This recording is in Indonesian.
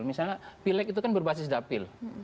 misalnya pileg itu kan berbasis dapil